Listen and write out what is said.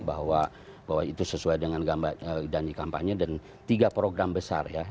bahwa itu sesuai dengan dana kampanye dan tiga program besar ya